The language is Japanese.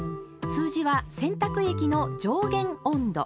数字は「洗濯液の上限温度」。